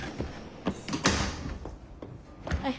はい。